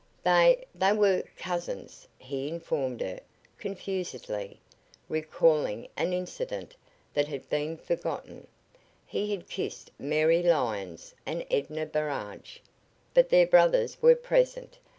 "They they were cousins," he informed her, confusedly, recalling an incident that had been forgotten. He had kissed Mary Lyons and Edna Burrage but their brothers were present.